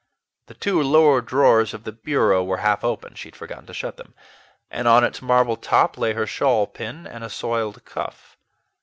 The two lower drawers of the bureau were half open (she had forgotten to shut them); and on its marble top lay her shawl pin and a soiled cuff.